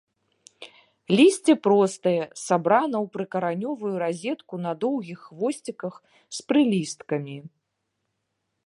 Лісце простае, сабрана ў прыкаранёвую разетку на доўгіх хвосціках з прылісткамі.